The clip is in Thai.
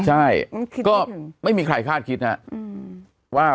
ใช่ก็ไม่มีใครคาดคิดนะ